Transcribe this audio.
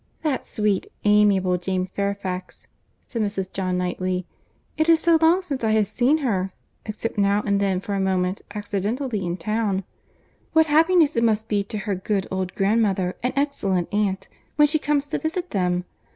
"That sweet, amiable Jane Fairfax!" said Mrs. John Knightley.—"It is so long since I have seen her, except now and then for a moment accidentally in town! What happiness it must be to her good old grandmother and excellent aunt, when she comes to visit them!